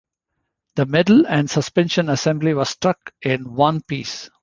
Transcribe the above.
The medal and suspension assembly was struck in one piece.